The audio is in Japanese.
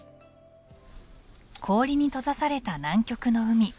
氷に閉ざされた南極の海。